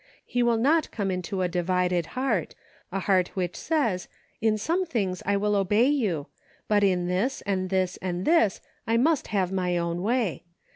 He will not come into a divided heart ; a heart which says *in some things I will obey you ; but in this, and this, and this, I must have my own way.'